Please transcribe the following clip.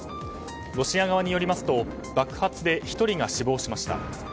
ロシア側によりますと爆発で１人が死亡しました。